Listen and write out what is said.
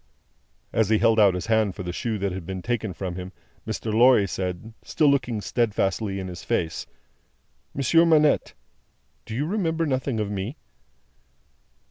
As he held out his hand for the shoe that had been taken from him, Mr. Lorry said, still looking steadfastly in his face: "Monsieur Manette, do you remember nothing of me?"